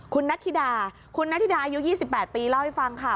คุณนัทธิดาคุณนัทธิดาอายุ๒๘ปีเล่าให้ฟังค่ะ